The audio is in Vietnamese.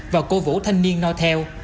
và cố vũ thanh niên no theo